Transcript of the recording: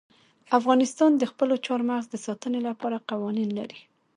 افغانستان د خپلو چار مغز د ساتنې لپاره قوانین لري.